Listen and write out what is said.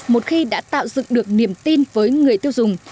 một khi đã tạo dựng được niềm tin với người tiêu dùng